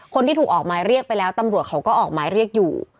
คนที่ถูกออกหมายเรียกไปแล้วตำรวจเขาก็ออกหมายเรียกอยู่